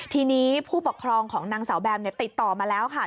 ทีนี้ผู้ปกครองของนางสาวแบมติดต่อมาแล้วค่ะ